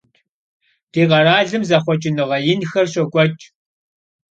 Di kheralım zexhueç'ınığe yinxer şok'ueç'.